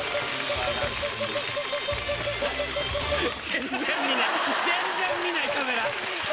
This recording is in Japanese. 全然見ない全然見ないカメラ。